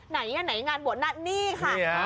ไหนอ่ะไหนงานบวชน่ะนี่ค่ะ